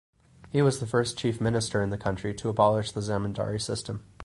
He was the first chief minister in the country to abolish the zamindari system.